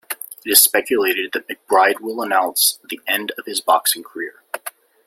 It is speculated that McBride will announce the end of his boxing career.